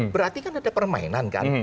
berarti kan ada permainan kan